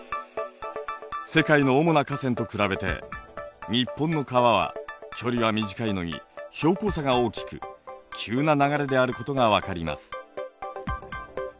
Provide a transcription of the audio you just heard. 世界の主な河川と比べて日本の川は距離は短いのに標高差が大きく急な流れであることが分かります。